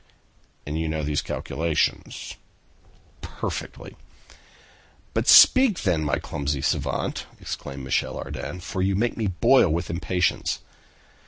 "And you know these calculations?" "Perfectly." "But speak, then, my clumsy savant," exclaimed Michel Ardan, "for you make me boil with impatience!"